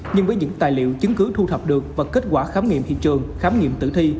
nhưng với những tài liệu chứng cứ thu thập được và kết quả khám nghiệm hiện trường khám nghiệm tử thi